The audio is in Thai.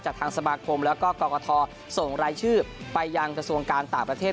ทางสมาคมแล้วก็กรกฐส่งรายชื่อไปยังกระทรวงการต่างประเทศ